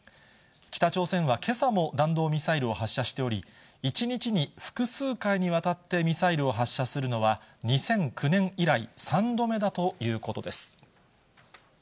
北朝鮮はけさも弾道ミサイルを発射しており、１日に複数回にわたってミサイルを発射するのは、２００９年以来、３度目だということです。